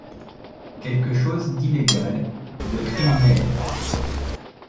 quelque chose d’illégal, de criminel !...